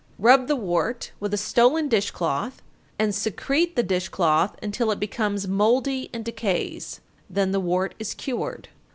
_ 899. Rub the wart with a stolen dish cloth, and secrete the dish cloth until it becomes mouldy and decays, then the wart is cured.